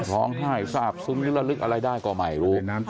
ร้องไห้ซะอับซุ้มลึกละลึกอะไรได้ก็ใหม่รู้